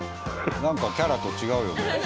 なんかキャラと違うよね。